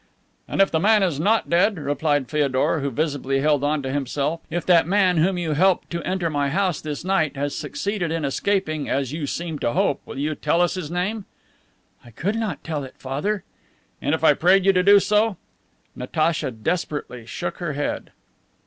"And if the man is not dead," replied Feodor, who visibly held onto himself, "if that man, whom you helped to enter my house this night, has succeeded in escaping, as you seem to hope, will you tell us his name?" "I could not tell it, Father." "And if I prayed you to do so?" Natacha desperately shook her head.